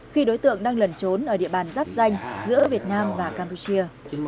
khi đối tượng đang lẩn trốn ở địa bàn giáp danh giữa việt nam và campuchia